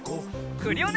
クリオネ！